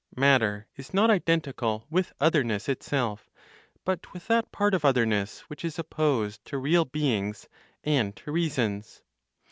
Matter is not identical with otherness itself, but with that part of otherness which is opposed to real beings, and to reasons.